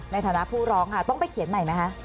ในฐานะผู้ร้องค่ะต้องไปเขียนใหม่ไหมคะ